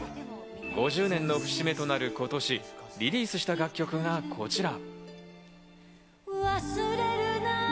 ５０年の節目となる今年、リリースした楽曲がこちら。